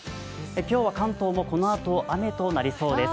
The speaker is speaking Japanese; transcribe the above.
今日は関東もこのあと雨となりそうです。